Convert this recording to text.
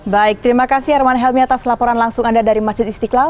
baik terima kasih arman helmi atas laporan langsung anda dari masjid istiqlal